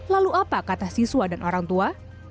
lalu apa kata siswa dan orang tua